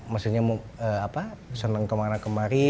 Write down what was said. maksudnya seneng kemana kemana